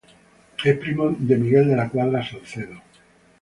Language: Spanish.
Es primo de Miguel de la Quadra-Salcedo.